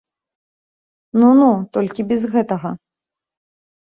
Ну, ну, толькі без гэтага!